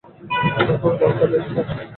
কহিল, আচ্ছা, বেশ তো।